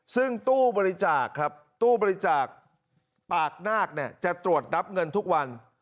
ซึ่งตู้บริจาคตู้บริจาคปากนากจะตรวจนับเงินทุกวัน